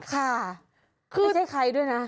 ค่ะคือไม่ใช่ใครด้วยนะ